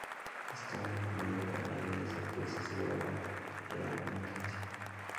Estaba vinculado a la realeza pues aseguraba la abundancia.